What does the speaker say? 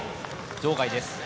場外です。